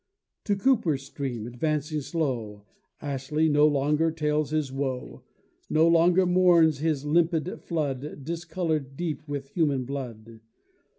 To Cooper's stream, advancing slow, Ashley no longer tells his woe, No longer mourns his limpid flood Discolor'd deep with human blood.